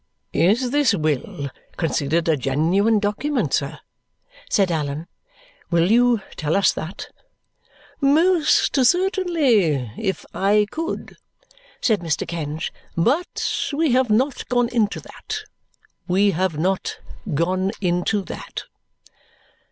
"Is this will considered a genuine document, sir?" said Allan. "Will you tell us that?" "Most certainly, if I could," said Mr. Kenge; "but we have not gone into that, we have not gone into that."